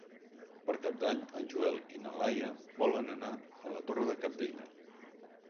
Per Cap d'Any en Joel i na Laia volen anar a la Torre de Cabdella.